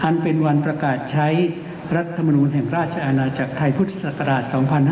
อันเป็นวันประกาศใช้รัฐมนุนแห่งราชอาณาจากไทยภุติสศรรกราศ๒๕๖๐